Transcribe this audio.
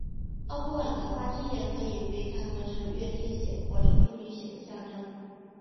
奥布朗的花汁液可以被看做是月经血或处女血的象征。